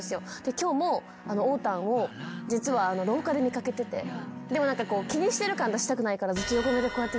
今日もおーたんを実は廊下で見掛けててでも何か気にしてる感出したくないから。